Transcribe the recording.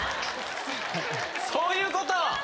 そういうことや！